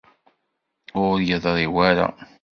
Ur yeḍṛi wara.